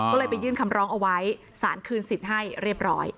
ก็เลยไปยื่นคำร้องเอาไว้สารคืนสิทธิ์ให้เรียบร้อย